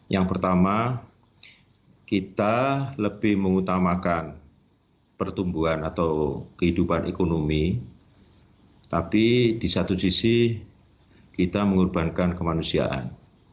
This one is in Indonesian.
yang pertama kita lebih mengutamakan pertumbuhan atau kehidupan ekonomi tapi di satu sisi kita mengorbankan kemanusiaan